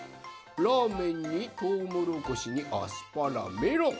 ラーメンにとうもろこしにアスパラメロン。